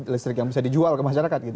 listrik yang bisa dijual ke masyarakat gitu